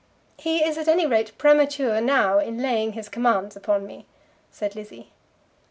"He is, at any rate, premature now in laying his commands upon me," said Lizzie.